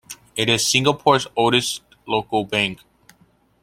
It is Singapore's oldest local bank.